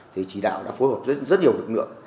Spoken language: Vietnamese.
thì chỉ đạo đã phối hợp rất nhiều lực lượng